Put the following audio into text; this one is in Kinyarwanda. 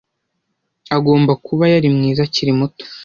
Agomba kuba yari mwiza akiri muto.